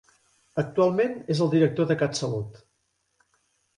Actualment és el Director de CatSalut.